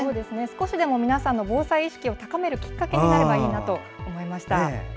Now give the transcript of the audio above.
少しでも皆さんの防災意識を高めるきっかけになればいいなと思いました。